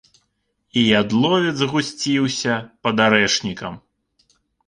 І ядловец гусціўся пад арэшнікам.